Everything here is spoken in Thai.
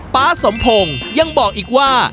๊าสมพงศ์ยังบอกอีกว่า